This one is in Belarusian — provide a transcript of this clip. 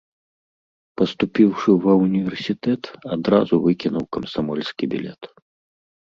Паступіўшы ва ўніверсітэт, адразу выкінуў камсамольскі білет.